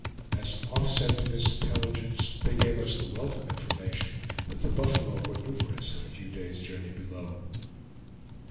As an offset to this intelligence, they gave us the welcome information that the buffalo were numerous at a few days' journey below.